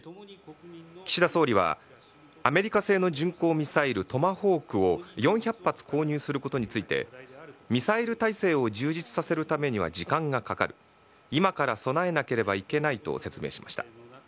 岸田総理は、アメリカ製の巡航ミサイル、トマホークを４００発購入することについて、ミサイル体制を充実させるためには時間がかかる、今から備えなければいけないと説明しました。